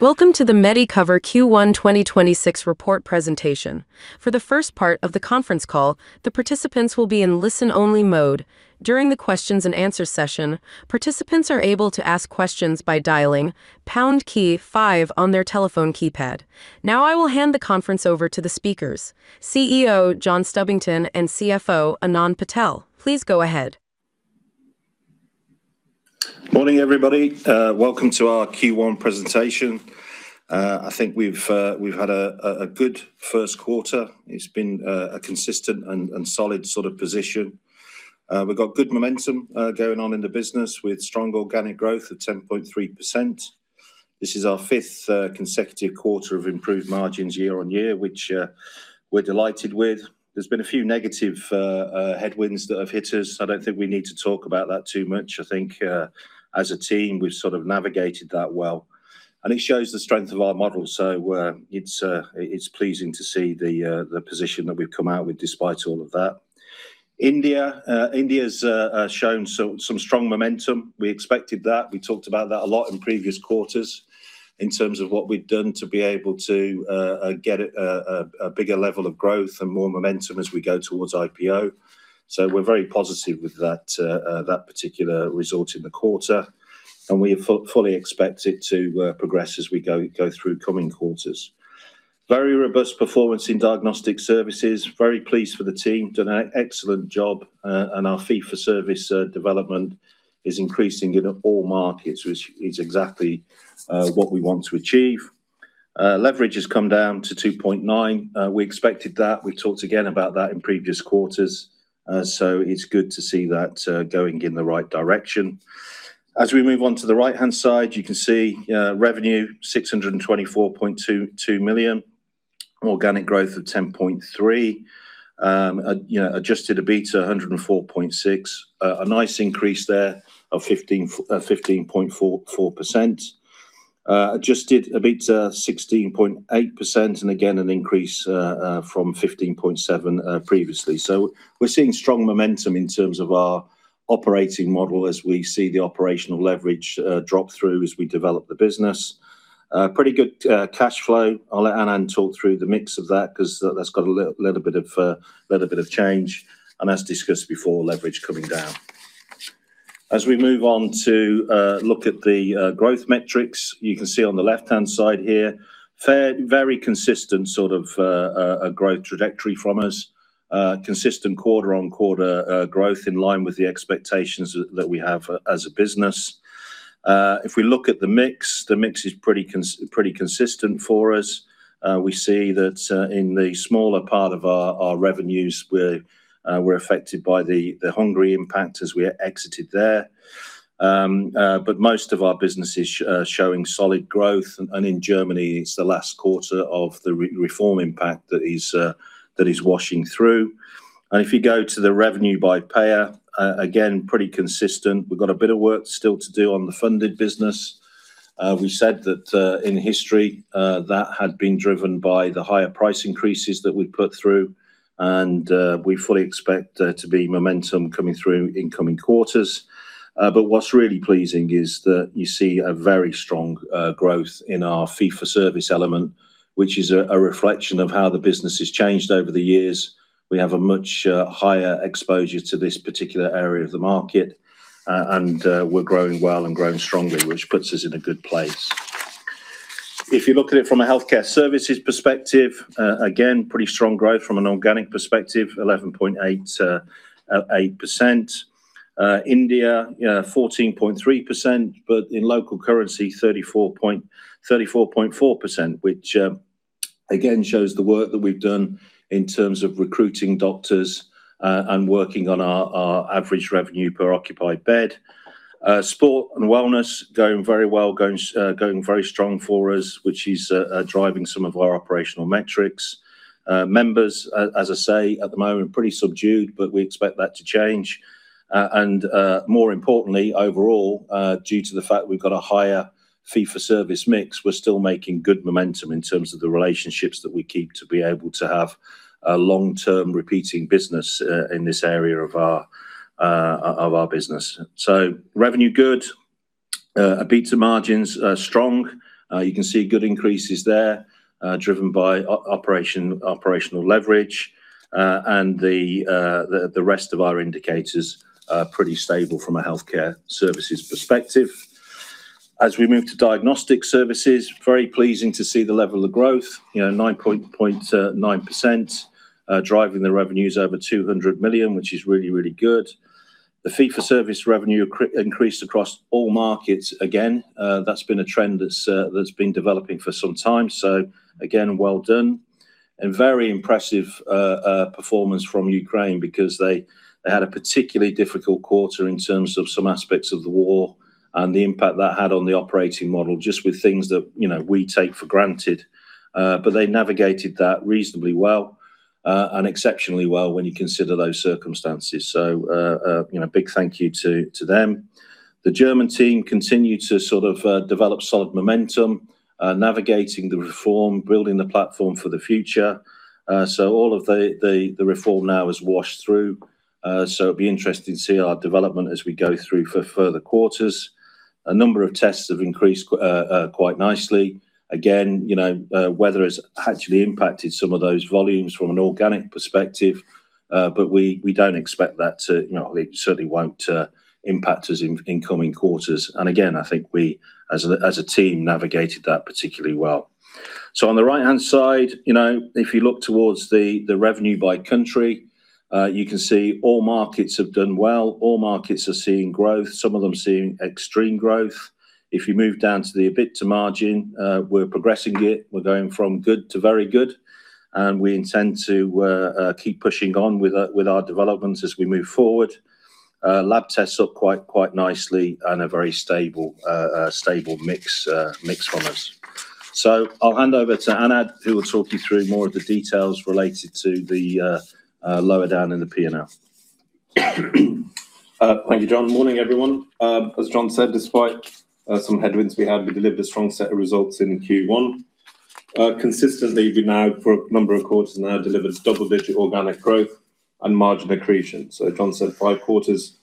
Welcome to the Medicover Q1 2026 report presentation. For the first part of the conference call, the participants will be in listen-only mode. During the questions-and-answers session, participants are able to ask questions by dialing pound key five on their telephone keypad. Now I will hand the conference over to the speakers. CEO John Stubbington and CFO Anand Patel. Please go ahead. Morning, everybody. Welcome to our Q1 presentation. I think we've had a good first quarter. It's been a consistent and solid sort of position. We've got good momentum going on in the business with strong organic growth at 10.3%. This is our fifth consecutive quarter of improved margins year-on-year which we're delighted with. There's been a few negative headwinds that have hit us. I don't think we need to talk about that too much. I think as a team we've sort of navigated that well, and it shows the strength of our model. It's pleasing to see the position that we've come out with despite all of that. India's shown some strong momentum. We expected that. We talked about that a lot in previous quarters in terms of what we'd done to be able to get a bigger level of growth and more momentum as we go towards IPO. We're very positive with that particular result in the quarter, and we fully expect it to progress as we go through coming quarters. Very robust performance in Diagnostic Services. Very pleased for the team. Done a excellent job, and our Fee-for-service development is increasing in all markets which is exactly what we want to achieve. Leverage has come down to 2.9. We expected that. We talked again about that in previous quarters. It's good to see that going in the right direction. As we move on to the right-hand side, you can see revenue 624.2 million. Organic growth of 10.3%. You know, adjusted EBITDA 104.6 million. A nice increase there of 15.4%. Adjusted EBITDA 16.8%, and again an increase from 15.7% previously. We're seeing strong momentum in terms of our operating model as we see the operational leverage drop through as we develop the business. Pretty good cash flow. I'll let Anand talk through the mix of that 'cause that's got a little bit of change, and as discussed before, leverage coming down. As we move on to look at the growth metrics, you can see on the left-hand side here very consistent sort of a growth trajectory from us. Consistent quarter-on-quarter growth in line with the expectations that we have as a business. If we look at the mix, the mix is pretty consistent for us. We see that in the smaller part of our revenues we're affected by the Hungary impact as we exited there. Most of our business is showing solid growth, and in Germany it's the last quarter of the reform impact that is washing through. If you go to the revenue by payer, again, pretty consistent. We've got a bit of work still to do on the funded business. We said that in history, that had been driven by the higher price increases that we'd put through, we fully expect there to be momentum coming through in coming quarters. What's really pleasing is that you see a very strong growth in our Fee-for-service element which is a reflection of how the business has changed over the years. We have a much higher exposure to this particular area of the market. We're growing well and growing strongly which puts us in a good place. If you look at it from a Healthcare Services perspective, again, pretty strong growth from an organic perspective, 11.8%. India, 14.3%, in local currency 34.4%, which again shows the work that we've done in terms of recruiting doctors and working on our average revenue per occupied bed. Sport and wellness going very well, going very strong for us which is driving some of our operational metrics. Members, as I say, at the moment pretty subdued, we expect that to change. More importantly overall, due to the fact we've got a higher Fee-for-service mix, we're still making good momentum in terms of the relationships that we keep to be able to have a long-term repeating business in this area of our business. Revenue good. EBITDA margins are strong. You can see good increases there, driven by operational leverage. The rest of our indicators are pretty stable from a Healthcare Services perspective. As we move to Diagnostic Services, very pleasing to see the level of growth. You know, 9.9%, driving the revenues over 200 million, which is really good. The Fee-for-service revenue increased across all markets again. That's been a trend that's been developing for some time. Again, well done. Very impressive performance from Ukraine because they had a particularly difficult quarter in terms of some aspects of the war and the impact that had on the operating model just with things that, you know, we take for granted. They navigated that reasonably well, and exceptionally well when you consider those circumstances. you know, big thank you to them. The German team continue to sort of develop solid momentum, navigating the reform, building the platform for the future. All of the reform now has washed through. It'll be interesting to see our development as we go through for further quarters. A number of tests have increased quite nicely. Again, you know, weather has actually impacted some of those volumes from an organic perspective. We don't expect that to, you know, it certainly won't impact us in coming quarters. Again, I think we as a team navigated that particularly well. On the right-hand side, you know, if you look towards the revenue by country, you can see all markets have done well. All markets are seeing growth, some of them seeing extreme growth. If you move down to the EBITDA margin, we're progressing it. We're going from good to very good, and we intend to keep pushing on with our developments as we move forward. Lab tests look quite nicely and a very stable mix from us. I'll hand over to Anand, who will talk you through more of the details related to the lower down in the P&L. Thank you, John. Morning, everyone. As John said, despite some headwinds we had, we delivered a strong set of results in Q1. Consistently, we've now for a number of quarters now delivered double-digit organic growth and margin accretion. John said five quarters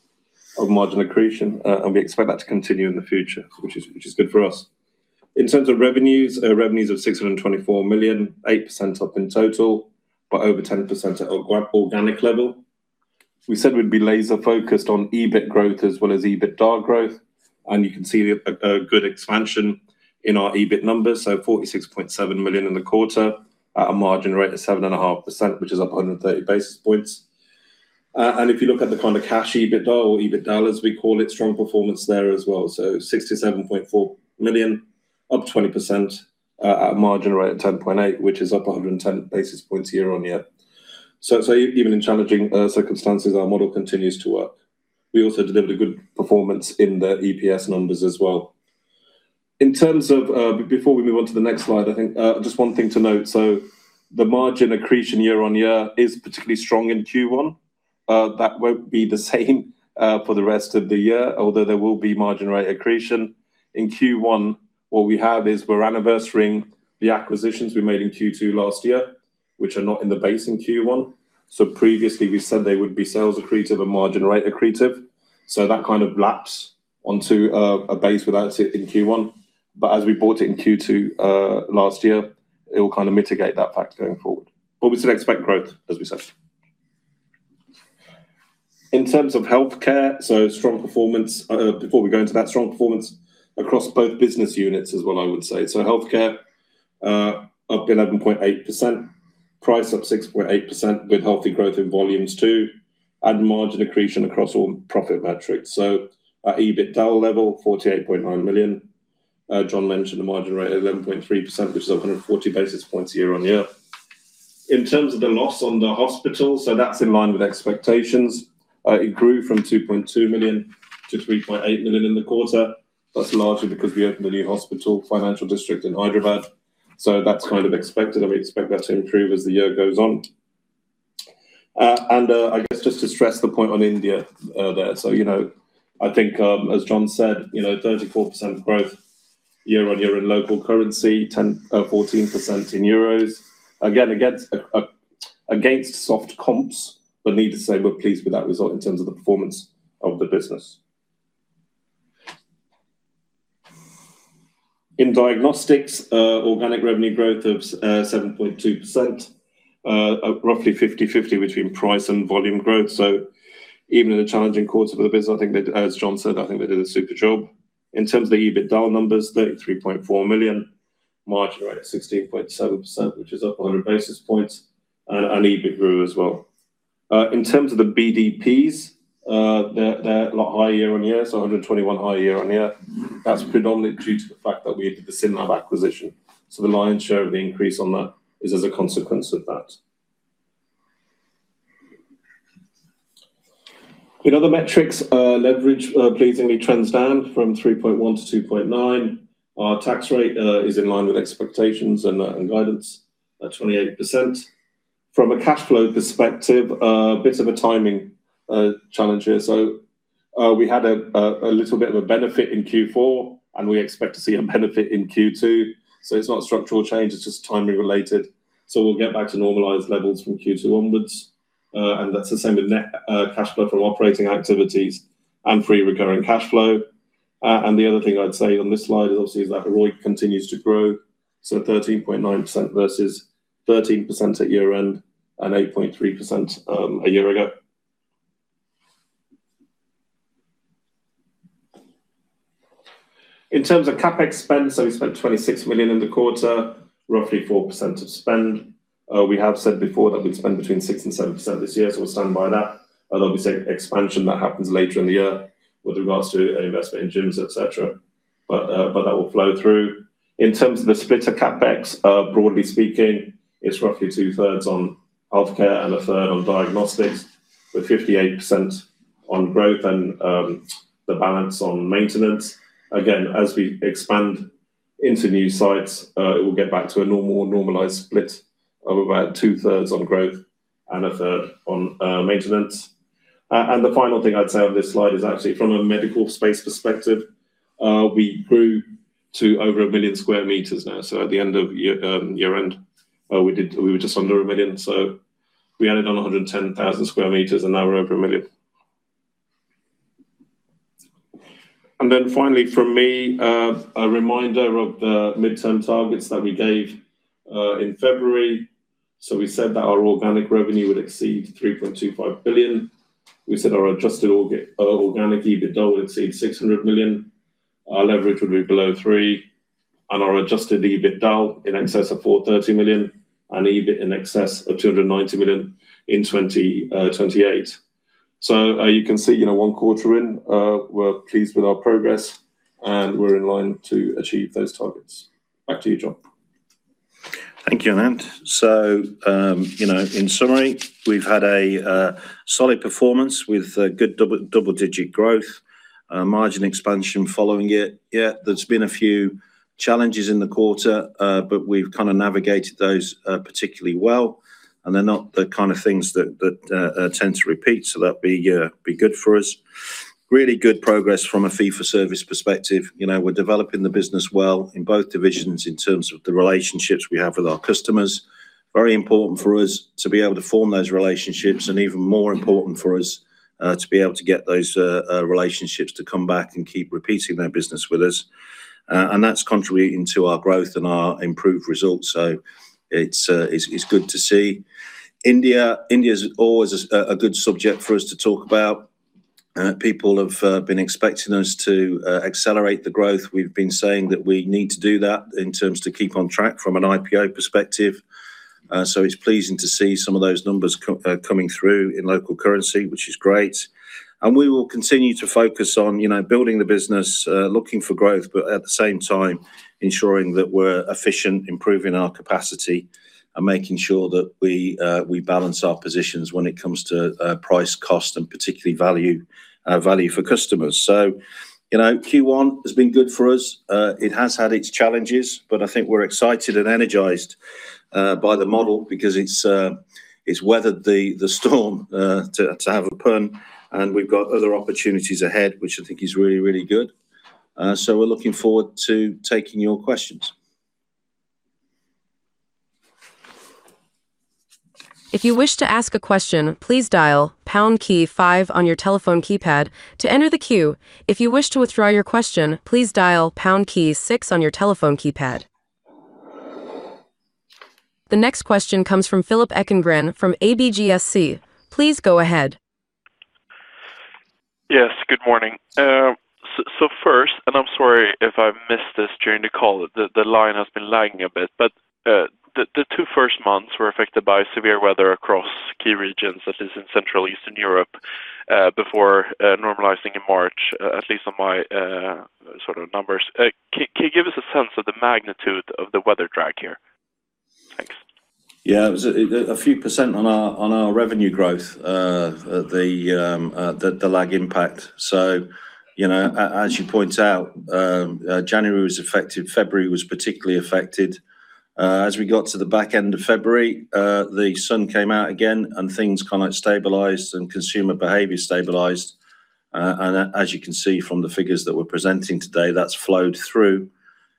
of margin accretion, and we expect that to continue in the future, which is good for us. In terms of revenues of 624 million, 8% up in total, but over 10% at organic level. We said we'd be laser-focused on EBIT growth as well as EBITDA growth, and you can see a good expansion in our EBIT numbers, so 46.7 million in the quarter at a margin rate of 7.5%, which is up 130 basis points. If you look at the kind of cash EBITDA or EBITDA, as we call it, strong performance there as well. 67.4 million, up 20%, at a margin rate of 10.8%, which is up 110 basis points year-on-year. Even in challenging circumstances, our model continues to work. We also delivered a good performance in the EPS numbers as well. In terms of, before we move on to the next slide, I think, just one thing to note. The margin accretion year-on-year is particularly strong in Q1. That won't be the same for the rest of the year, although there will be margin rate accretion. In Q1, what we have is we're anniversarying the acquisitions we made in Q2 last year, which are not in the base in Q1. Previously we said they would be sales accretive and margin rate accretive, that kind of laps onto a base without it in Q1. As we bought it in Q2 last year, it will kind of mitigate that fact going forward. We still expect growth, as we said. In terms of healthcare, before we go into that, strong performance across both business units as well, I would say. Healthcare up 11.8%. Price up 6.8% with healthy growth in volumes too, and margin accretion across all profit metrics. At EBITDA level, 48.9 million. John mentioned the margin rate at 11.3%, which is up 140 basis points year-on-year. In terms of the loss on the hospital, that's in line with expectations. It grew from 2.2 million to 3.8 million in the quarter. That's largely because we opened a new hospital, financial district in Hyderabad. That's kind of expected, and we expect that to improve as the year goes on. I guess just to stress the point on India there. You know, I think, as John said, you know, 34% growth year-on-year in local currency, 14% in euros. Again, against soft comps, needless to say, we're pleased with that result in terms of the performance of the business. In diagnostics, organic revenue growth of 7.2%, roughly 50/50 between price and volume growth. Even in a challenging quarter for the business, I think they, as John said, I think they did a super job. In terms of the EBITDA numbers, 33.4 million. Margin rate at 16.7%, which is up 100 basis points. EBIT grew as well. In terms of the BDPs, they're a lot higher year-on-year, so 121 higher year-on-year. That's predominantly due to the fact that we did the Synlab acquisition. The lion's share of the increase on that is as a consequence of that. In other metrics, leverage pleasingly trends down from 3.1 to 2.9. Our tax rate is in line with expectations and guidance at 28%. From a cash flow perspective, a bit of a timing challenge here. We had a little bit of a benefit in Q4, and we expect to see a benefit in Q2. It's not a structural change, it's just timing related. We'll get back to normalized levels from Q2 onwards. That's the same with net cash flow from operating activities and free recurring cash flow. The other thing I'd say on this slide is obviously is that ROIC continues to grow, 13.9% versus 13% at year-end and 8.3% a year ago. In terms of CapEx spend, we spent 26 million in the quarter, roughly 4% of spend. We have said before that we'd spend between 6% and 7% this year, we'll stand by that. Obviously expansion that happens later in the year with regards to investment in gyms, et cetera. That will flow through. In terms of the splitter CapEx, broadly speaking, it's roughly 2/3 on healthcare and 1/3 on diagnostics, with 58% on growth and the balance on maintenance. As we expand into new sites, it will get back to a normalized split of about 2/3 on growth and 1/3 on maintenance. The final thing I'd say on this slide is actually from a medical space perspective. We grew to over 1 million square meters now. At the end of year-end, we were just under 1 million. We added on 110,000 sq m, and now we're over 1 million. Finally from me, a reminder of the midterm targets that we gave in February. We said that our organic revenue would exceed 3.25 billion. We said our adjusted organic EBITDAL would exceed 600 million. Our leverage would be below three, and our adjusted EBITDAL in excess of 430 million and EBIT in excess of 290 million in 2028. You can see, you know, one quarter in, we're pleased with our progress, and we're in line to achieve those targets. Back to you, John. Thank you, Anand. You know, in summary, we've had a solid performance with good double-digit growth, margin expansion following it. Yeah, there's been a few challenges in the quarter, but we've kind of navigated those particularly well, and they're not the kind of things that tend to repeat, so that'd be good for us. Really good progress from a Fee-for-service perspective. You know, we're developing the business well in both divisions in terms of the relationships we have with our customers. Very important for us to be able to form those relationships and even more important for us to be able to get those relationships to come back and keep repeating their business with us. That's contributing to our growth and our improved results. It's good to see. India's always a good subject for us to talk about. People have been expecting us to accelerate the growth. We've been saying that we need to do that in terms to keep on track from an IPO perspective. It's pleasing to see some of those numbers coming through in local currency, which is great. We will continue to focus on, you know, building the business, looking for growth, but at the same time ensuring that we're efficient, improving our capacity and making sure that we balance our positions when it comes to price, cost, and particularly value for customers. You know, Q1 has been good for us. It has had its challenges, but I think we're excited and energized by the model because it's it's weathered the storm to have a pun, and we've got other opportunities ahead, which I think is really, really good. We're looking forward to taking your questions. If you wish to ask a question please dial pound key five on your telephone keypad, to enter the queue. If you wish to withdraw your question please dial pound six on your telephone keypad. The next question comes from Philip Ekengren from ABGSC. Please go ahead. Yes, good morning. First, and I'm sorry if I've missed this during the call. The line has been lagging a bit, but the two first months were affected by severe weather across key regions, that is in Central Eastern Europe, before normalizing in March, at least on my sort of numbers. Can you give us a sense of the magnitude of the weather drag here? Thanks. It was a few percent on our revenue growth, the lag impact. You know, as you point out, January was affected. February was particularly affected. As we got to the back end of February, the sun came out again and things kind of stabilized and consumer behavior stabilized. As you can see from the figures that we're presenting today, that's flowed through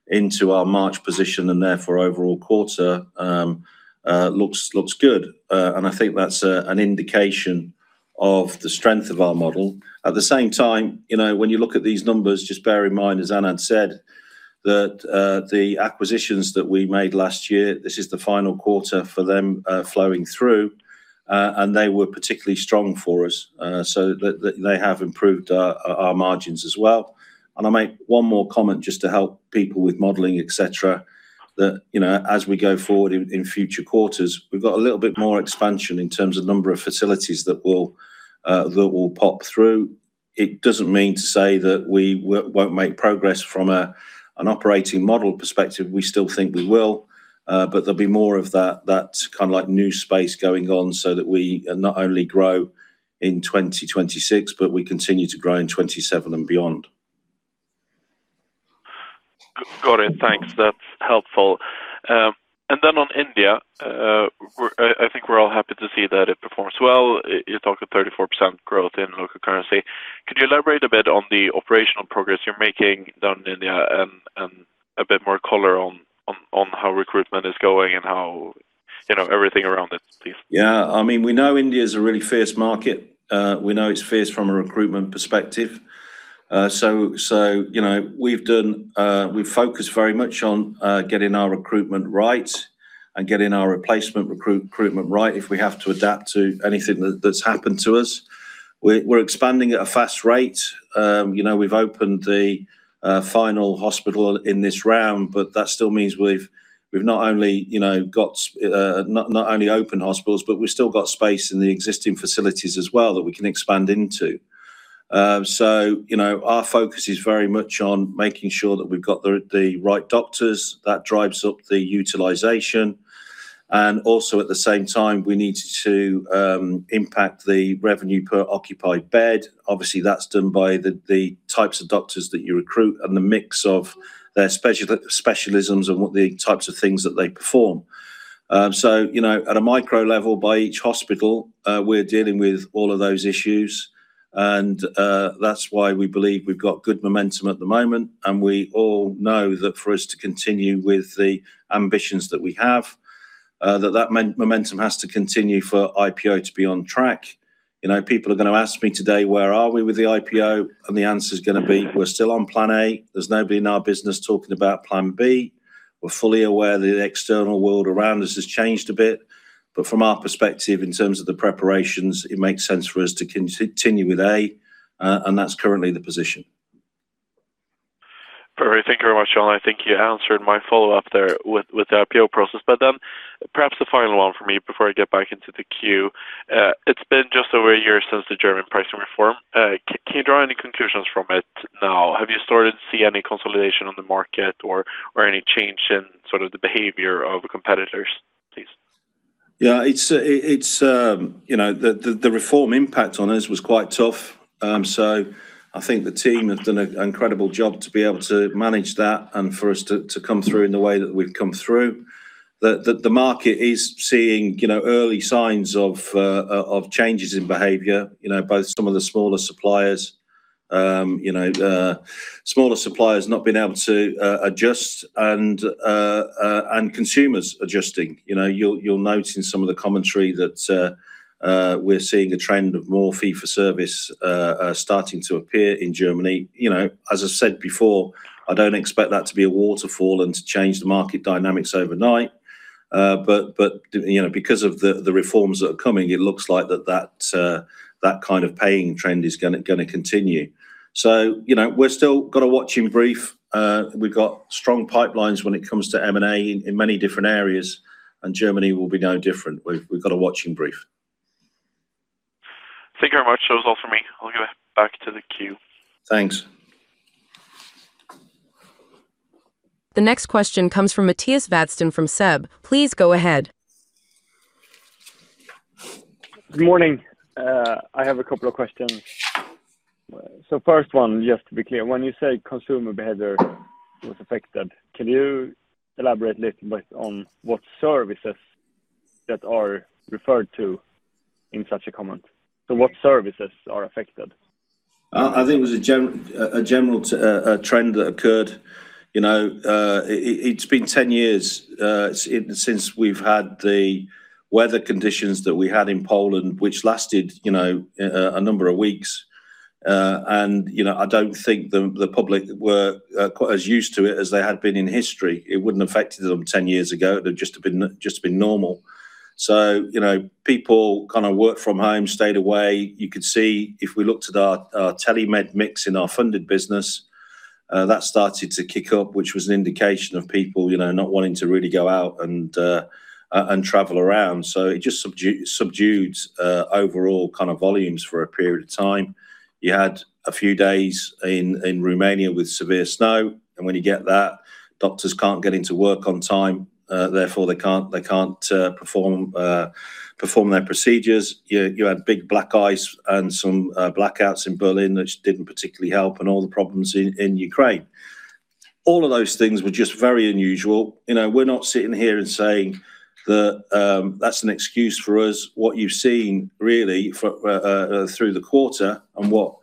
into our March position and therefore overall quarter looks good. I think that's an indication of the strength of our model. At the same time, you know, when you look at these numbers, just bear in mind, as Anand said, that the acquisitions that we made last year, this is the final quarter for them, flowing through. They were particularly strong for us. They have improved our margins as well. I make one more comment just to help people with modeling, et cetera, that, you know, as we go forward in future quarters, we've got a little bit more expansion in terms of number of facilities that will that will pop through. It doesn't mean to say that we won't make progress from an operating model perspective. We still think we will, but there'll be more of that kind of like new space going on so that we not only grow in 2026, but we continue to grow in 2027 and beyond. Got it. Thanks. That's helpful. And then on India, I think we're all happy to see that it performs well. You're talking 34% growth in local currency. Could you elaborate a bit on the operational progress you're making down in India and a bit more color on how recruitment is going and how, you know, everything around it, please? Yeah, I mean, we know India is a really fierce market. We know it's fierce from a recruitment perspective. You know, we've focused very much on getting our recruitment right and getting our replacement recruitment right if we have to adapt to anything that's happened to us. We're expanding at a fast rate. You know, we've opened the final hospital in this round, but that still means we've not only, you know, got not only opened hospitals, but we've still got space in the existing facilities as well that we can expand into. You know, our focus is very much on making sure that we've got the right doctors. That drives up the utilization. Also at the same time, we needed to impact the revenue per occupied bed. Obviously, that's done by the types of doctors that you recruit and the mix of their specialisms and what the types of things that they perform. You know, at a micro level, by each hospital, we're dealing with all of those issues and that's why we believe we've got good momentum at the moment. We all know that for us to continue with the ambitions that we have, that momentum has to continue for IPO to be on track. You know, people are gonna ask me today, where are we with the IPO? The answer's gonna be, we're still on plan A. There's nobody in our business talking about plan B. We're fully aware that the external world around us has changed a bit, but from our perspective in terms of the preparations, it makes sense for us to continue with A, and that's currently the position. Perfect. Thank you very much, John. I think you answered my follow-up there with the IPO process. Perhaps the final one for me before I get back into the queue. It's been just over a year since the German pricing reform. Can you draw any conclusions from it now? Have you started to see any consolidation on the market or any change in sort of the behavior of competitors, please? Yeah, it's, you know, the reform impact on us was quite tough. I think the team have done an incredible job to be able to manage that and for us to come through in the way that we've come through. The market is seeing, you know, early signs of changes in behavior, you know, both some of the smaller suppliers, you know, smaller suppliers not being able to adjust and consumers adjusting. You know, you'll note in some of the commentary that we're seeing a trend of more Fee-for-service starting to appear in Germany. You know, as I said before, I don't expect that to be a waterfall and to change the market dynamics overnight. You know, because of the reforms that are coming, it looks like that kind of paying trend is gonna continue. You know, we've still got to watch in brief. We've got strong pipelines when it comes to M&A in many different areas, and Germany will be no different. We've got to watch in brief. Thank you very much. That was all for me. I'll give it back to the queue. Thanks. The next question comes from Mattias Vadsten from SEB. Please go ahead. Good morning. I have a couple of questions. First one, just to be clear, when you say consumer behavior was affected, can you elaborate little bit on what services that are referred to in such a comment? What services are affected? I think it was a general trend that occurred. You know, it's been 10 years since we've had the weather conditions that we had in Poland, which lasted, you know, a number of weeks. You know, I don't think the public were quite as used to it as they had been in history. It wouldn't have affected them 10 years ago. It'd have just been normal. You know, people kind of work from home, stayed away. You could see if we looked at our Telemedicine mix in our funded business that started to kick up, which was an indication of people, you know, not wanting to really go out and travel around. It just subdued overall kind of volumes for a period of time. You had a few days in Romania with severe snow, and when you get that, doctors can't get into work on time. Therefore, they can't perform their procedures. You had big black ice and some blackouts in Berlin, which didn't particularly help, and all the problems in Ukraine. All of those things were just very unusual. You know, we're not sitting here and saying that that's an excuse for us. What you've seen really for through the quarter and what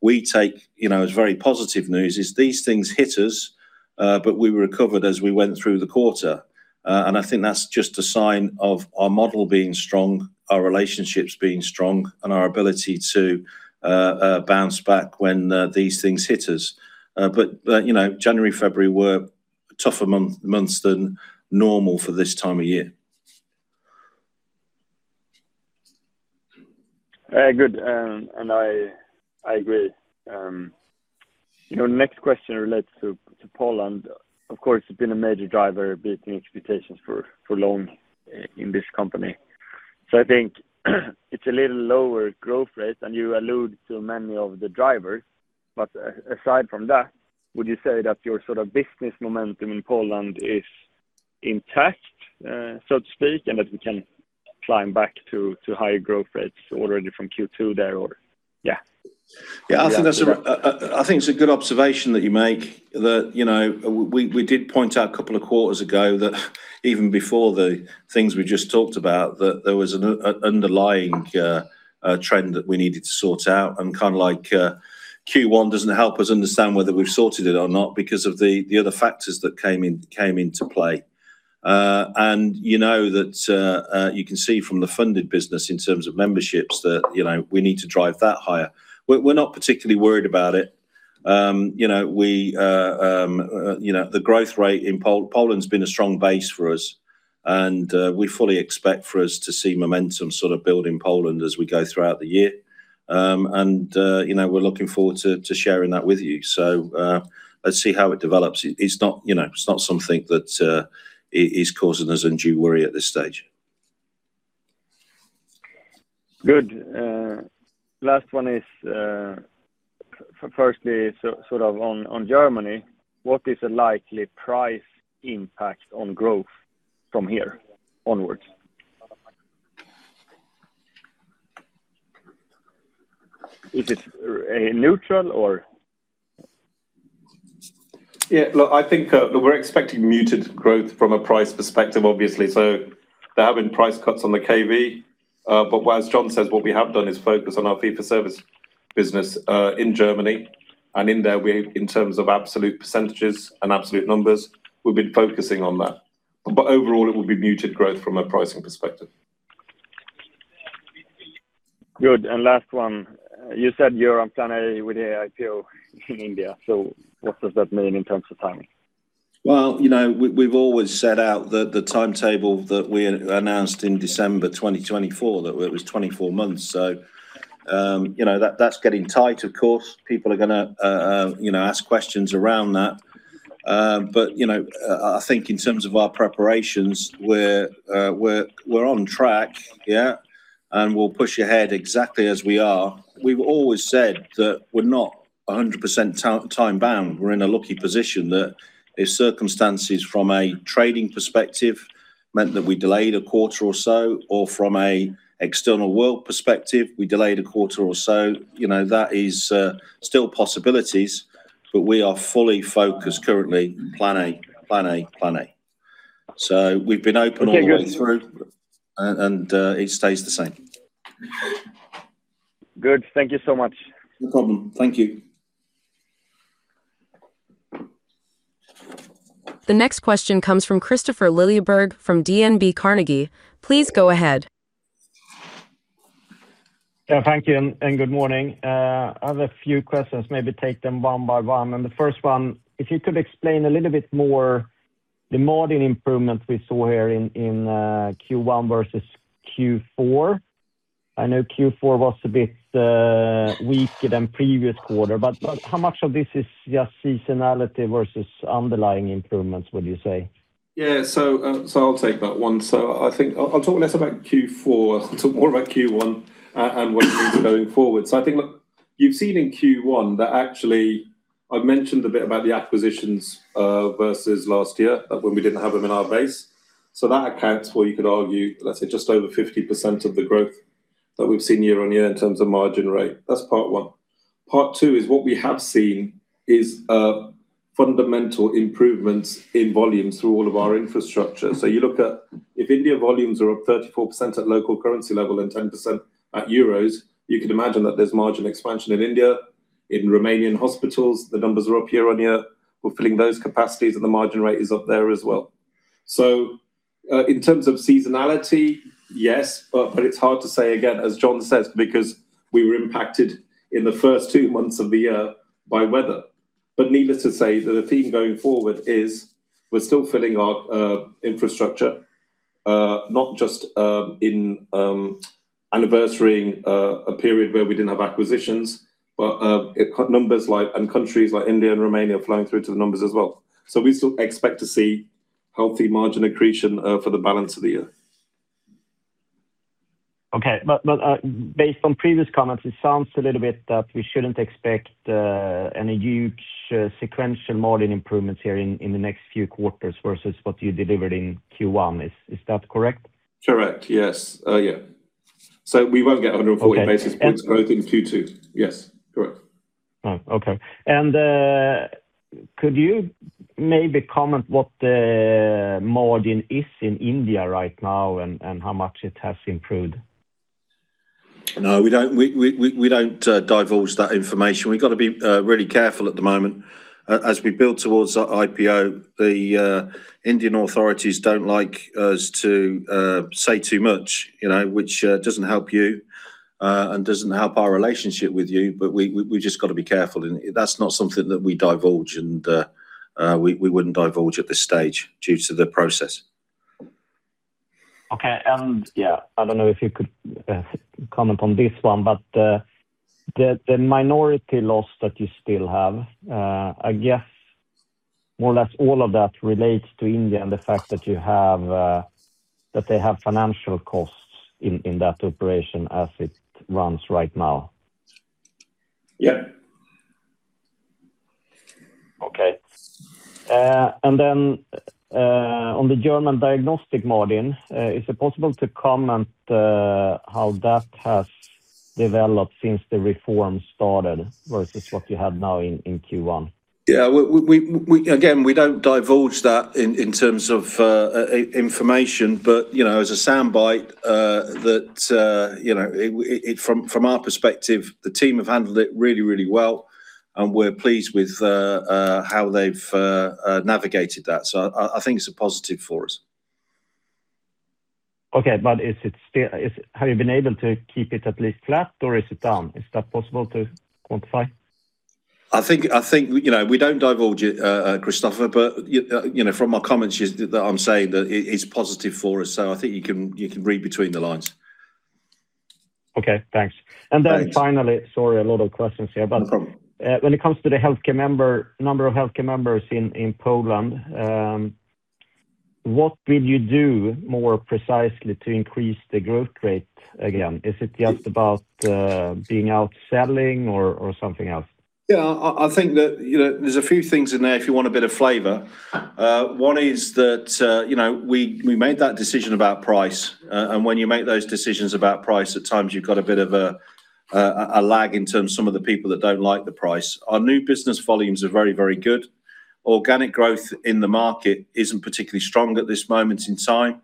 we take, you know, as very positive news is these things hit us, but we recovered as we went through the quarter. I think that's just a sign of our model being strong, our relationships being strong, and our ability to bounce back when these things hit us. You know, January, February were tougher months than normal for this time of year. Good. I agree. You know, next question relates to Poland. Of course, it's been a major driver beating expectations for long in this company. I think it's a little lower growth rate, and you allude to many of the drivers. Aside from that, would you say that your sort of business momentum in Poland is intact, so to speak, and that we can climb back to higher growth rates already from Q2 there? Yeah, I think that's. Yeah I think it's a good observation that you make that, you know, we did point out a couple of quarters ago that even before the things we just talked about, that there was an underlying trend that we needed to sort out. Kind of like, Q1 doesn't help us understand whether we've sorted it or not because of the other factors that came into play. You know that, you can see from the funded business in terms of memberships that, you know, we need to drive that higher. We're not particularly worried about it. You know, we, you know, the growth rate in Poland's been a strong base for us, and we fully expect for us to see momentum sort of build in Poland as we go throughout the year. You know, we're looking forward to sharing that with you. Let's see how it develops. It's not, you know, it's not something that is causing us undue worry at this stage. Good. Last one is firstly, sort of on Germany, what is the likely price impact on growth from here onwards? Is it neutral or? Yeah. I think, look, we're expecting muted growth from a price perspective, obviously. There have been price cuts on the KV. As John says, what we have done is focus on our Fee-for-service business in Germany. In there, in terms of absolute percentages and absolute numbers, we've been focusing on that. Overall it will be muted growth from a pricing perspective. Good. Last one. You said you're on plan A with the IPO in India, what does that mean in terms of timing? Well, you know, we've always set out the timetable that we announced in December 2024, that it was 24 months. You know, that's getting tight. Of course, people are gonna, you know, ask questions around that. You know, I think in terms of our preparations, we're on track. Yeah. We'll push ahead exactly as we are. We've always said that we're not 100% time bound. We're in a lucky position that if circumstances from a trading perspective meant that we delayed a quarter or so, or from a external world perspective, we delayed a quarter or so, you know, that is still possibilities. We are fully focused currently plan A, plan A, plan A. We've been open all the way through. Okay, good. It stays the same. Good. Thank you so much. No problem. Thank you. The next question comes from Kristofer Liljeberg from DNB Carnegie. Please go ahead. Yeah, thank you, and good morning. I have a few questions, maybe take them one by one. The first one, if you could explain a little bit more the margin improvement we saw here in Q1 versus Q4. I know Q4 was a bit weaker than previous quarter, but how much of this is just seasonality versus underlying improvements, would you say? Yeah. I'll take that one. I think I'll talk less about Q4, talk more about Q1 and what it means going forward. I think, look, you've seen in Q1 that actually I've mentioned a bit about the acquisitions versus last year when we didn't have them in our base. That accounts for, you could argue, let's say just over 50% of the growth that we've seen year-on-year in terms of margin rate. That's part one. Part two is what we have seen is fundamental improvements in volumes through all of our infrastructure. You look at if India volumes are up 34% at local currency level and 10% in euros, you can imagine that there's margin expansion in India. In Romanian hospitals, the numbers are up year-on-year. We're filling those capacities, and the margin rate is up there as well. In terms of seasonality, yes, but it's hard to say again, as John says, because we were impacted in the first two months of the year by weather. Needless to say, that the theme going forward is we're still filling our infrastructure, not just in anniversarying a period where we didn't have acquisitions, but it got numbers and countries like India and Romania flowing through to the numbers as well. We still expect to see healthy margin accretion for the balance of the year. Okay. Based on previous comments, it sounds a little bit that we shouldn't expect any huge sequential margin improvements here in the next few quarters versus what you delivered in Q1. Is that correct? Correct. Yes. Yeah. We won't get 140 basis points growth in Q2. Yes. Correct. Oh, okay. Could you maybe comment what the margin is in India right now and how much it has improved? No, we don't divulge that information. We've got to be really careful at the moment. As we build towards our IPO, the Indian authorities don't like us to say too much, you know, which doesn't help you and doesn't help our relationship with you. We just got to be careful. That's not something that we divulge and we wouldn't divulge at this stage due to the process. Okay. Yeah, I don't know if you could comment on this one, but the minority loss that you still have, I guess more or less all of that relates to India and the fact that you have, that they have financial costs in that operation as it runs right now. Yeah. Okay. On the German Diagnostic margin, is it possible to comment how that has developed since the reform started versus what you have now in Q1? Yeah, we again, we don't divulge that in terms of information. You know, as a soundbite, that, you know, from our perspective, the team have handled it really, really well, and we're pleased with how they've navigated that. I think it's a positive for us. Have you been able to keep it at least flat or is it down? Is that possible to quantify? I think, you know, we don't divulge it, Kristofer, but you know, from my comments here that I'm saying that it's positive for us. I think you can read between the lines. Okay, thanks. Thanks. Sorry, a lot of questions here. No problem. When it comes to the number of healthcare members in Poland. What will you do more precisely to increase the growth rate again? Is it just about being out selling or something else? I think that, you know, there's a few things in there if you want a bit of flavor. One is that, you know, we made that decision about price. When you make those decisions about price, at times you've got a bit of a lag in terms of some of the people that don't like the price. Our new business volumes are very good. Organic growth in the market isn't particularly strong at this moment in time.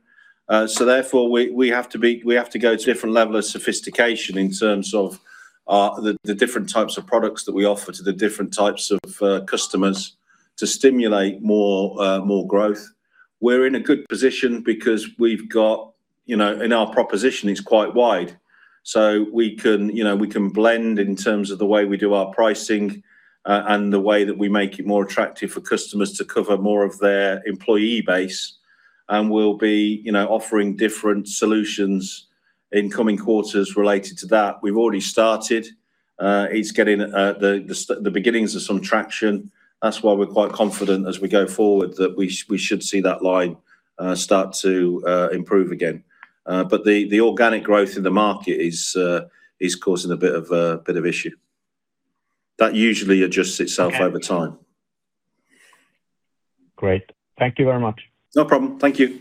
Therefore we have to go to a different level of sophistication in terms of the different types of products that we offer to the different types of customers to stimulate more growth. We're in a good position because we've got, you know, our proposition is quite wide. We can, you know, we can blend in terms of the way we do our pricing, and the way that we make it more attractive for customers to cover more of their employee base, and we'll be, you know, offering different solutions in coming quarters related to that. We've already started. It's getting the beginnings of some traction. That's why we're quite confident as we go forward that we should see that line start to improve again. The organic growth in the market is causing a bit of issue. That usually adjusts itself over time. Okay. Great. Thank you very much. No problem. Thank you.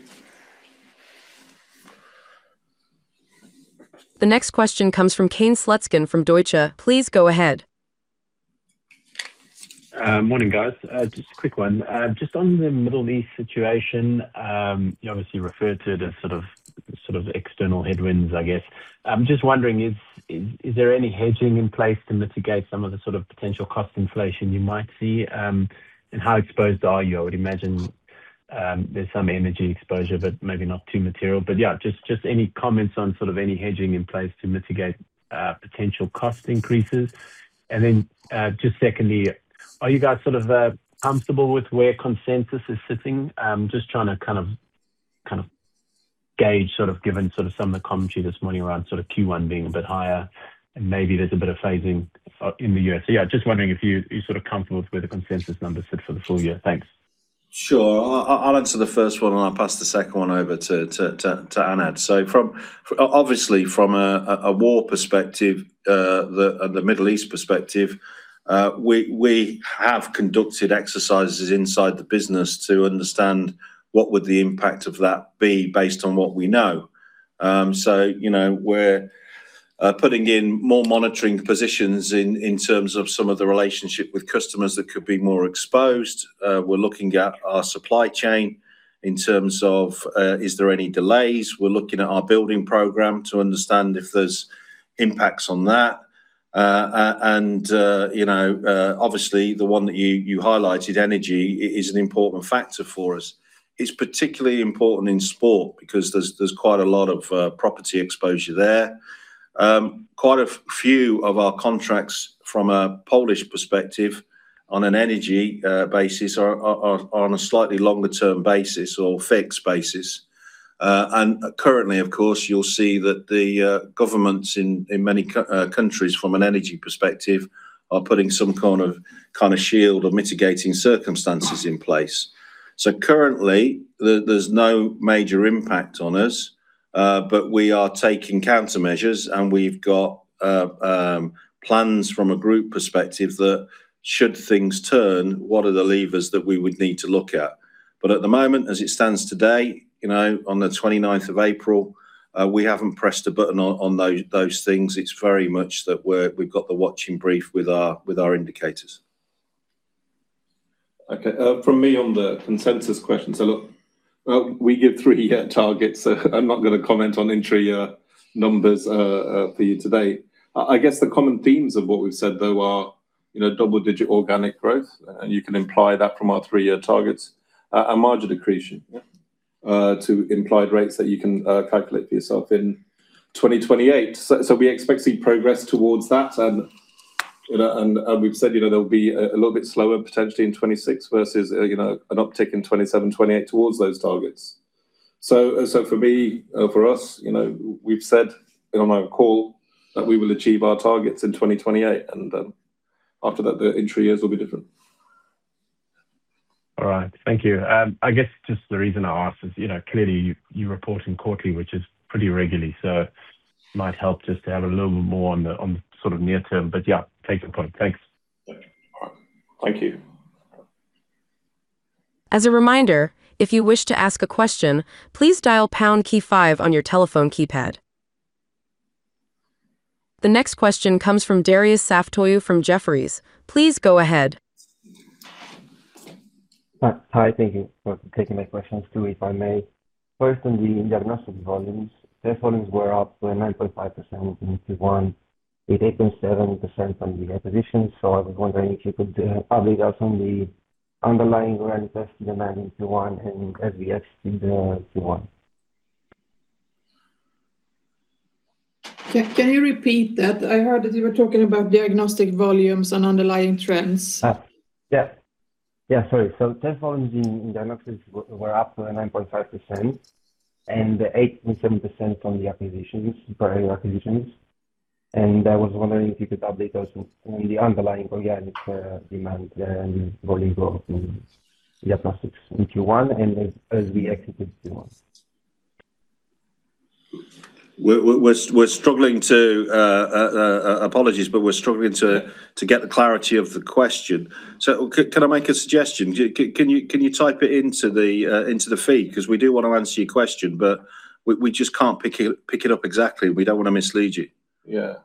The next question comes from Kane Slutzkin from Deutsche. Please go ahead. Morning, guys. Just a quick. Just on the Middle East situation, you obviously referred to the sort of external headwinds, I guess. I'm just wondering, is there any hedging in place to mitigate some of the sort of potential cost inflation you might see? How exposed are you? I would imagine, there's some energy exposure, but maybe not too material. Yeah, just any comments on sort of any hedging in place to mitigate potential cost increases. Secondly, are you guys sort of comfortable with where consensus is sitting? Just trying to kind of gauge sort of given sort of some of the commentary this morning around sort of Q1 being a bit higher and maybe there's a bit of phasing in the U.S. Yeah, just wondering if you're sort of comfortable with where the consensus numbers sit for the full year? Thanks. Sure. I'll answer the first one, and I'll pass the second one over to Anand. From obviously a war perspective, and the Middle East perspective, we have conducted exercises inside the business to understand what would the impact of that be based on what we know. You know, we're putting in more monitoring positions in terms of some of the relationship with customers that could be more exposed. We're looking at our supply chain in terms of is there any delays. We're looking at our building program to understand if there's impacts on that. And, you know, obviously the one that you highlighted, energy, is an important factor for us. It's particularly important in sport because there's quite a lot of property exposure there. Quite a few of our contracts from a Polish perspective on an energy basis are on a slightly longer term basis or fixed basis. Currently, of course, you'll see that the governments in many countries from an energy perspective are putting some kind of shield or mitigating circumstances in place. Currently, there's no major impact on us, but we are taking countermeasures, and we've got plans from a group perspective that should things turn, what are the levers that we would need to look at? At the moment, as it stands today, you know, on the 29th of April, we haven't pressed a button on those things. It's very much that we've got the watching brief with our indicators. From me on the consensus question. We give three-year targets. I'm not gonna comment on entry numbers for you today. I guess the common themes of what we've said though are, you know, double-digit organic growth, and you can imply that from our three-year targets, and margin accretion. Yeah... to implied rates that you can calculate for yourself in 2028. We expect to see progress towards that and, you know, we've said, you know, there'll be a little bit slower potentially in 2026 versus, you know, an uptick in 2027, 2028 towards those targets. For me, for us, you know, we've said on our call that we will achieve our targets in 2028 and, after that, the entry years will be different. All right. Thank you. I guess just the reason I ask is, you know, clearly you're reporting quarterly, which is pretty regularly, so might help just to have a little bit more on the, on the sort of near term. Yeah, take the point. Thanks. Yeah. All right. Thank you. As a reminder, if you wish to ask a question please press pound key five on your telephone keypad. The next question comes from Darius Saftoiu from Jefferies. Please go ahead. Hi, thank you for taking my questions too, if I may. First on the diagnostic volumes. Test volumes were up to a 9.5% in Q1 with 8.7% on the acquisition. I was wondering if you could update us on the underlying growth tested in Q1 and SBS in the Q1. Yeah. Can you repeat that? I heard that you were talking about diagnostic volumes and underlying trends. Yeah, sorry. Test volumes in Diagnostic Services were up to a 9.5% and 8.7% on the acquisitions, prior acquisitions. I was wondering if you could update us on the underlying organic demand and volume growth in diagnostics in Q1 as we execute Q1? We're struggling to, apologies, but we're struggling to get the clarity of the question. Can I make a suggestion? Can you type it into the feed? We do wanna answer your question, but we just can't pick it up exactly. We don't wanna mislead you. Yeah.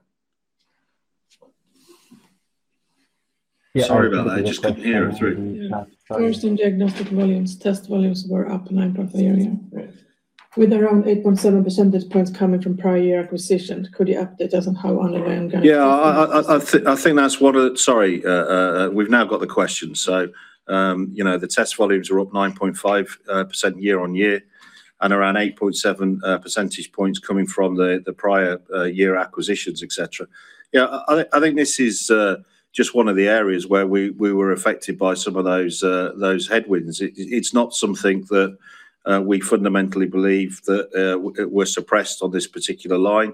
Sorry about that. I just couldn't hear it through. Yeah. First in Diagnostic volumes, test volumes were up 9.3%. Yeah. Right. With around 8.7 percentage points coming from prior year acquisition. Could you update us on how underlying- Yeah. Sorry. We've now got the question. You know, the test volumes were up 9.5% year-on year, and around 8.7 percentage points coming from the prior year acquisitions, et cetera. Yeah, I think this is just one of the areas where we were affected by some of those headwinds. It's not something that we fundamentally believe that we're suppressed on this particular line.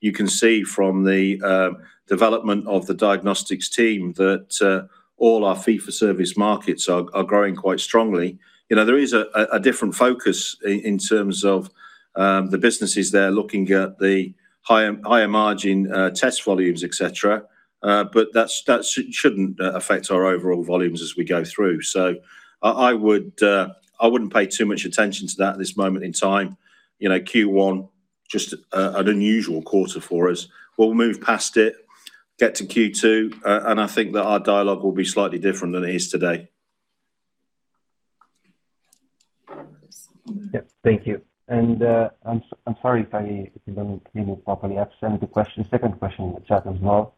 You can see from the development of the diagnostics team that all our Fee-for-service markets are growing quite strongly. You know, there is a different focus in terms of the businesses there looking at the higher margin test volumes, et cetera. That's, that shouldn't affect our overall volumes as we go through. I wouldn't pay too much attention to that at this moment in time. You know, Q1, just an unusual quarter for us. We'll move past it, get to Q2, I think that our dialogue will be slightly different than it is today. Yeah. Thank you. I'm sorry if I, if you don't hear me properly. I've sent the question, second question in the chat as well.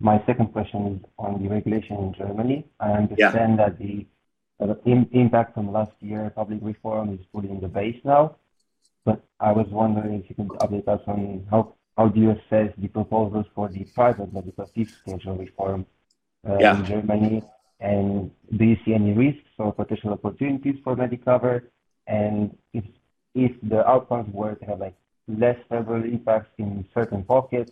My second question is on the regulation in Germany. Yeah. I understand that the impact from last year public reform is fully in the base now. I was wondering if you could update us on how do you assess the proposals for the private medical fees schedule reform? Yeah... in Germany. Do you see any risks or potential opportunities for Medicover? If the outcomes were to have, like, less favorable impacts in certain pockets,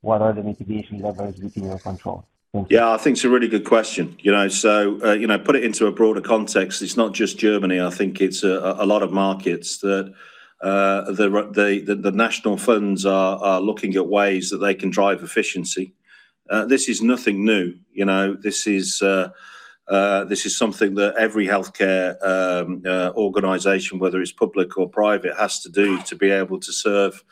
what are the mitigation levers within your control? Thank you. Yeah. I think it's a really good question. You know, put it into a broader context, it's not just Germany. I think it's a lot of markets that the national funds are looking at ways that they can drive efficiency. This is nothing new, you know. This is something that every Healthcare organization, whether it's public or private, has to do to be able to serve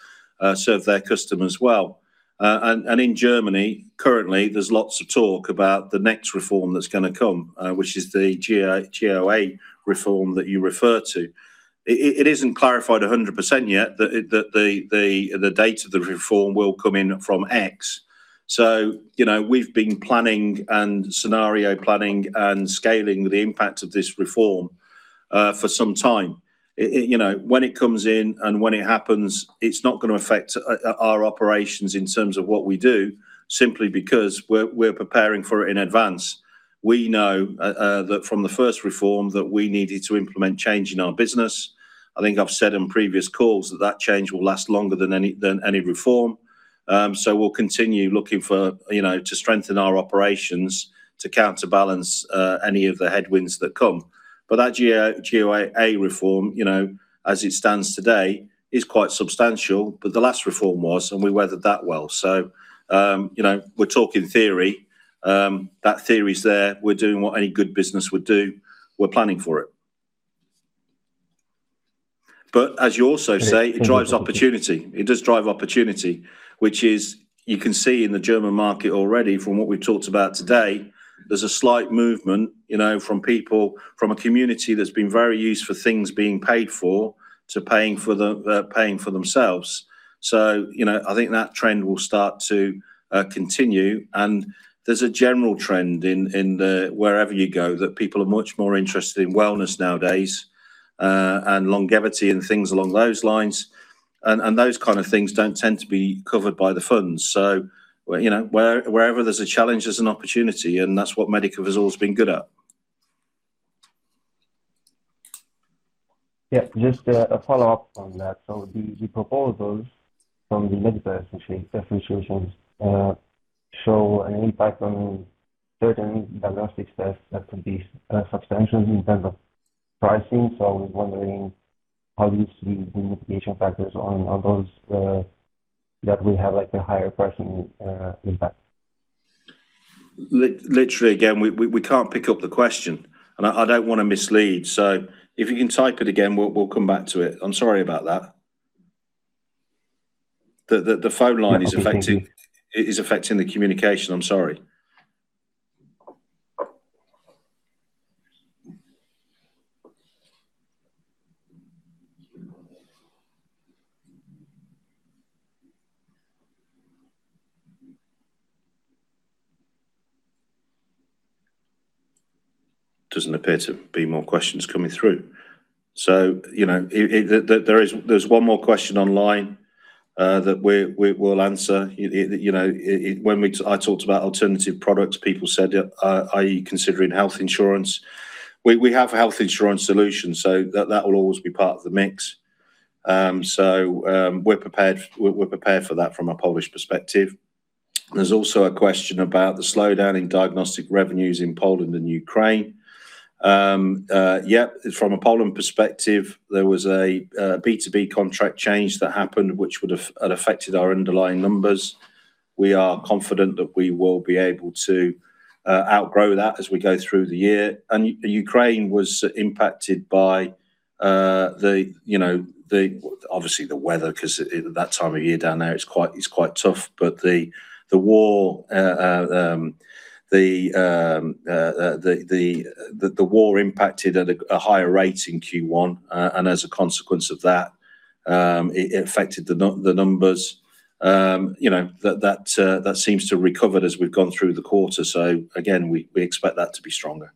their customers well. In Germany, currently, there's lots of talk about the next reform that's gonna come, which is the GOÄ reform that you refer to. It isn't clarified 100% yet that the date of the reform will come in from X. You know, we've been planning and scenario planning and scaling the impact of this reform for some time. You know, when it comes in and when it happens, it's not gonna affect our operations in terms of what we do simply because we're preparing for it in advance. We know that from the first reform that we needed to implement change in our business. I think I've said in previous calls that that change will last longer than any reform. We'll continue looking for, you know, to strengthen our operations to counterbalance any of the headwinds that come. That GOÄ reform, you know, as it stands today, is quite substantial. The last reform was, and we weathered that well. You know, we're talking theory. That theory's there. We're doing what any good business would do. We're planning for it. As you also say, it drives opportunity. It does drive opportunity, which is, you can see in the German market already from what we've talked about today, there's a slight movement, you know, from people from a community that's been very used for things being paid for, to paying for the paying for themselves. You know, I think that trend will start to continue. There's a general trend in the wherever you go that people are much more interested in wellness nowadays, and longevity and things along those lines. Those kind of things don't tend to be covered by the funds. You know, wherever there's a challenge, there's an opportunity, and that's what Medicover's always been good at. Yeah. Just a follow-up on that. The proposals from the medical associations show an impact on certain diagnostic tests that could be substantial in terms of pricing. I was wondering how do you see the mitigation factors on those that will have, like, a higher pricing impact? Literally, again, we can't pick up the question, I don't wanna mislead. If you can type it again, we'll come back to it. I'm sorry about that. The phone line is affecting the communication. I'm sorry. Doesn't appear to be more questions coming through. You know, there's one more question online that we will answer. You know, when I talked about alternative products, people said, are you considering health insurance? We have health insurance solutions, so that will always be part of the mix. We're prepared for that from a Polish perspective. There's also a question about the slowdown in Diagnostic revenues in Poland and Ukraine. From a Poland perspective, there was a B2B contract change that happened which would have affected our underlying numbers. We are confident that we will be able to outgrow that as we go through the year. Ukraine was impacted by, you know, obviously the weather, 'cause it, that time of year down there is quite tough. The war impacted at a higher rate in Q1. As a consequence of that, it affected the numbers. You know, that seems to have recovered as we've gone through the quarter. Again, we expect that to be stronger.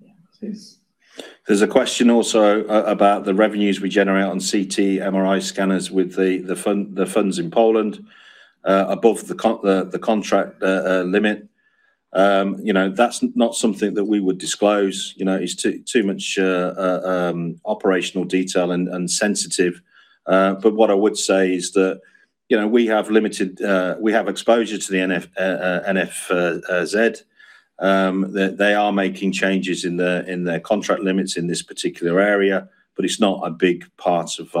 Yeah, please. There's a question also about the revenues we generate on CT, MRI scanners with the funds in Poland above the contract limit. You know, that's not something that we would disclose. You know, it's too much operational detail and sensitive. What I would say is that, you know, we have limited exposure to the NFZ. They are making changes in their contract limits in this particular area, but it's not a big part of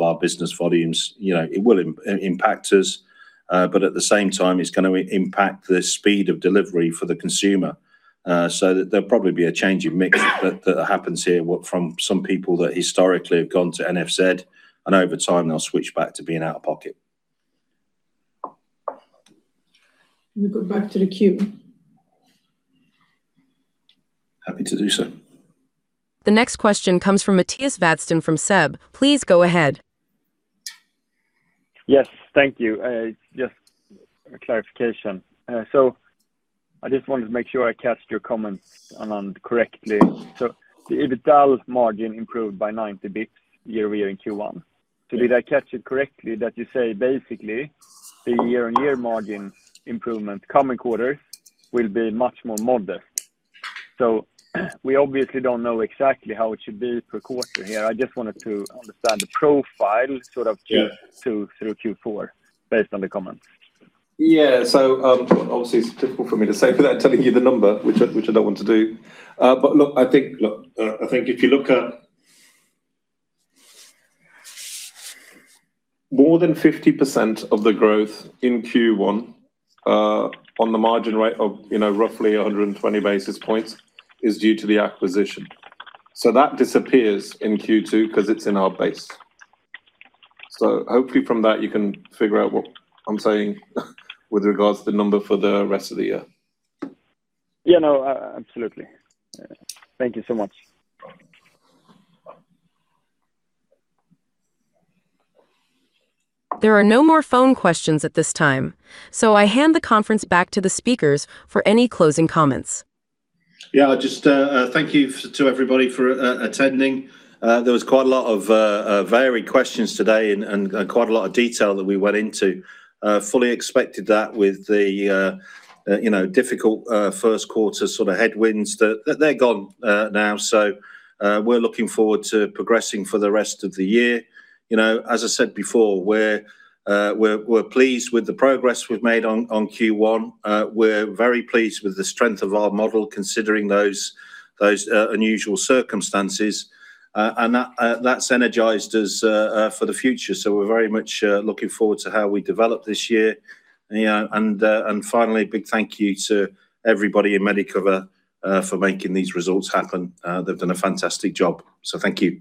our business volumes. You know, it will impact us, but at the same time, it's gonna impact the speed of delivery for the consumer. There'll probably be a change in mix that happens here from some people that historically have gone to NFZ, and over time they'll switch back to being out of pocket. Can we go back to the queue? Happy to do so. The next question comes from Mattias Vadsten from SEB. Please go ahead. Yes. Thank you. Just a clarification. I just wanted to make sure I caught your comments, Anand, correctly. The EBITDA margin improved by 90 bits year-over-year in Q1. Did I catch it correctly that you say basically the year-on-year margin improvement coming quarters will be much more modest? We obviously don't know exactly how it should be per quarter here. I just wanted to understand the profile sort of Q2 through Q4 based on the comments. Obviously it's difficult for me to say without telling you the number, which I don't want to do. I think if you look at more than 50% of the growth in Q1, on the margin rate of, you know, roughly 120 basis points is due to the acquisition. That disappears in Q2 'cause it's in our base. Hopefully from that you can figure out what I'm saying with regards to the number for the rest of the year. Yeah, no, absolutely. Thank you so much. There are no more phone questions at this time, so I hand the conference back to the speakers for any closing comments. Yeah. Just, thank you to everybody for attending. There was quite a lot of varied questions today and quite a lot of detail that we went into. Fully expected that with the, you know, difficult first quarter sort of headwinds. They're gone now, so we're looking forward to progressing for the rest of the year. You know, as I said before, we're pleased with the progress we've made on Q1. We're very pleased with the strength of our model considering those unusual circumstances. And that's energized us for the future. We're very much looking forward to how we develop this year. You know, and finally, a big thank you to everybody in Medicover for making these results happen. They've done a fantastic job. Thank you.